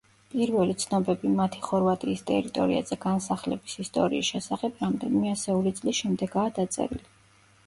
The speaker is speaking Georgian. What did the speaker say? პირველი ცნობები მათი ხორვატიის ტერიტორიაზე განსახლების ისტორიის შესახებ რამდენიმე ასეული წლის შემდეგაა დაწერილი.